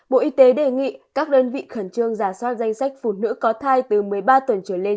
bộ y tế đề nghị các đơn vị khẩn trương giả soát danh sách phụ nữ có thai từ một mươi ba tuần trở lên